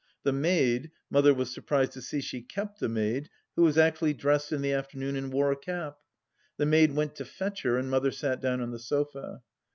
The maid — Mother was surprised to see she kept a maid, who was actually dressed in the afternoon and wore a cap 1 — the maid " went to fetch her," and Mother sat down on the sofa.